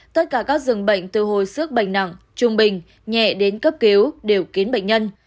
tất cả các dường bệnh từ hồi sức bệnh nặng trung bình nhẹ đến cấp cứu đều kín bệnh nhân